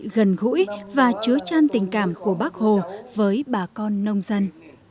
gần gũi và chứa chan tình cảm của bác hồ với bà con nông dân